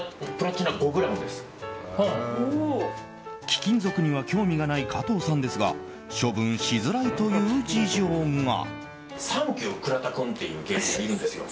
貴金属には興味がない加藤さんですが処分しづらいという事情が。